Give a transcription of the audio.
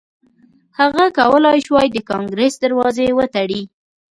هغه کولای شوای د کانګریس دروازې وتړي.